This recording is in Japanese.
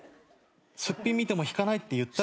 すっぴん見ても引かないって言ったじゃん。